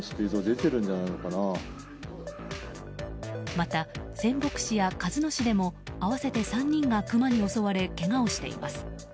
また、仙北市や鹿角市でも合わせて３人がクマに襲われ、けがをしています。